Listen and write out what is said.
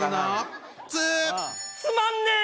つまんねえ！